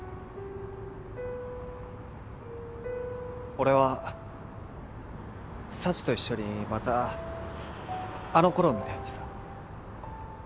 俺は幸と一緒にまたあの頃みたいにさ。